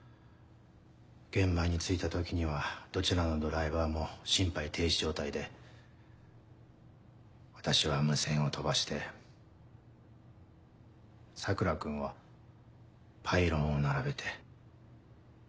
現場に着いた時にはどちらのドライバーも心肺停止状態で私は無線を飛ばして桜君はパイロンを並べて。